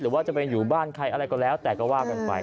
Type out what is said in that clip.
หรือว่าจะไปอยู่บ้านใครอะไรก็แล้วแต่ก็ว่ากันไป